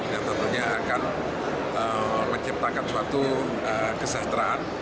yang tentunya akan menciptakan suatu kesejahteraan